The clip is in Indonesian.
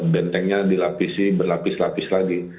bentengnya dilapisi berlapis lapis lagi